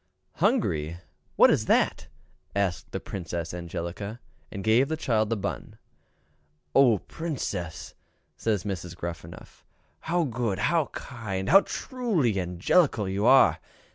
"Hungry! what is that?" asked Princess Angelica, and gave the child the bun. "Oh, Princess!" says Gruffanuff, "how good, how kind, how truly angelical you are!